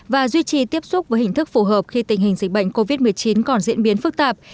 và duy trì tiếp xúc với hình thức phù hợp khi tình hình dịch bệnh covid một mươi chín còn diễn biến phức tạp